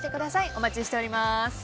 お待ちしております。